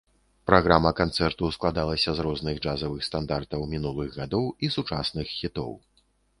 Праграма канцэрту складалася з розных джазавых стандартаў мінулых гадоў і сучасных хітоў.